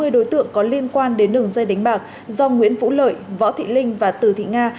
hai mươi đối tượng có liên quan đến đường dây đánh bạc do nguyễn vũ lợi võ thị linh và từ thị nga